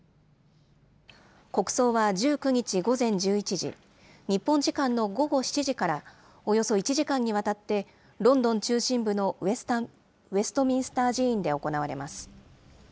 国葬は１９日午前１１時、日本時間の午後７時からおよそ１時間にわたって、ロンドン中心部のウェストミンスター寺院で行われます。